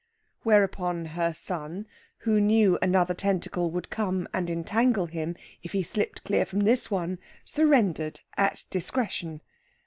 Whereupon her son, who knew another tentacle would come and entangle him if he slipped clear from this one, surrendered at discretion.